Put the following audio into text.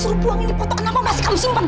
suruh buangin di foto kenapa masih kamu simpen